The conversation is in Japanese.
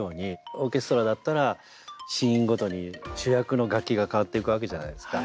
オーケストラだったらシーンごとに主役の楽器がかわっていくわけじゃないですか。